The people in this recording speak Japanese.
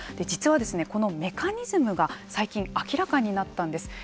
実は、このメカニズムが最近明らかになったんです。